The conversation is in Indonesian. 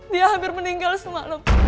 dia hampir meninggal semalam